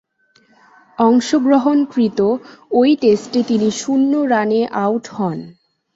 অংশগ্রহণকৃত ঐ টেস্টে তিনি শূন্য রানে আউট হন।